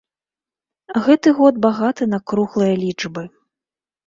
Гэты год багаты на круглыя лічбы.